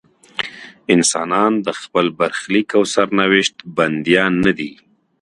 انسانان د خپل برخلیک او سرنوشت بندیان نه دي.